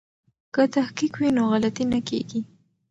که تحقیق وي نو غلطي نه کیږي.